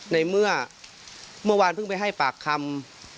ในเมื่อเมื่อวานเพิ่งไปให้ปากคำ